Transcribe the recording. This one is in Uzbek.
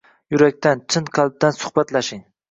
Yurakdan, chin qalbdan suhbatlashing.